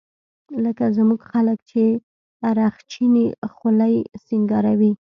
لکه زموږ خلق چې رخچينې خولۍ سينګاروي.